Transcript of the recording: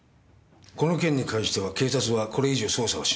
この件に関しては警察はこれ以上捜査をしない。